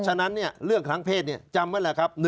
ฉะนั้นเนี่ยเรื่องครั้งเพศเนี่ยจำกันแหละครับ